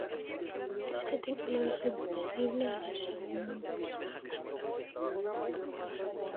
Este templo es inaccesible a los no hindúes.